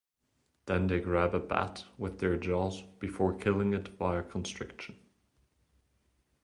Then they grab a bat with their jaws before killing it via constriction.